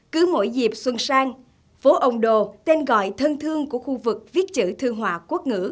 cứ mỗi dịp xuân sang phố ông đồ tên gọi thân thương của khu vực viết chữ thương hòa quốc ngữ